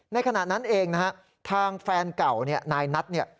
ขณะนั้นเองนะฮะทางแฟนเก่าเนี่ยนายนัทเนี่ย